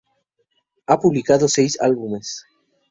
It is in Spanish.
Ha publicado seis álbumes.